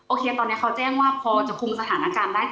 ตอนนี้เขาแจ้งว่าพอจะคุมสถานการณ์ได้